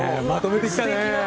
まとめてきたねー。